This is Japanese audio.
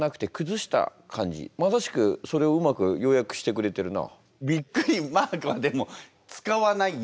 まさしくそれをうまく要約してくれてるな。